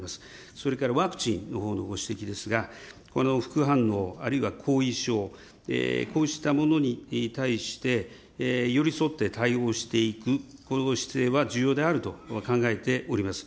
それからワクチンのほうのご指摘ですが、この副反応、あるいは後遺症、こうしたものに対して、寄り添って対応していく、この姿勢は重要であると考えております。